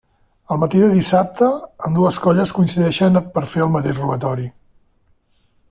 El matí de dissabte, ambdues colles coincideixen per fer el mateix robatori.